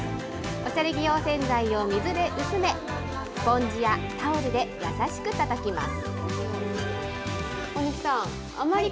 おしゃれ着用洗剤を水で薄め、スポンジやタオルで優しくたたきます。